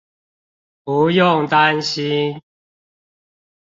不用擔心